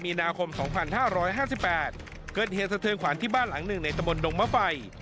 ๒๑มีนาคมสองพันห้าร้อยห้าสิบแปดเกิดเฮียดเถิดเทือนขวานที่บ้านหลังหนึ่งในตะบนดงมะไฟ